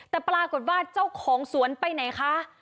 แต่ปรากฏว่าเจ้าของสวนไปไหนคะ